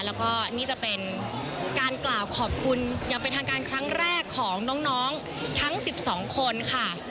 แล้วก็นี่จะเป็นการกล่าวขอบคุณอย่างเป็นทางการครั้งแรกของน้องทั้ง๑๒คนค่ะ